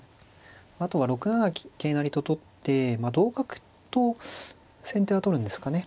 あとは６七桂成と取って同角と先手は取るんですかね。